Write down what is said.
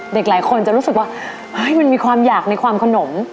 หลายคนจะรู้สึกว่าเฮ้ยมันมีความอยากในความขนม